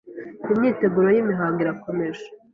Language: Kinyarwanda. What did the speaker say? Imyiteguro yimihango irakomeje.